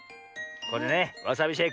これねわさびシェイク。